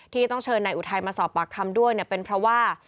ที่ต้องเชิญนายอุทัยมาสอบปากคำด้วยเป็นเพราะว่า